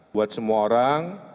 buat semua orang